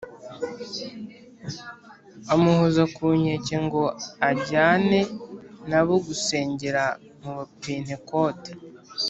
Amuhoza ku nkeke ngo ajyane na bo gusengera mu Bapantekote